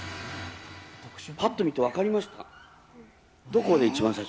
ぱっと見て分かりました？